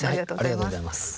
ありがとうございます。